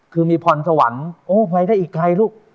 คือมีพอนสวรรค์ไว้ก็อีกไกลลูก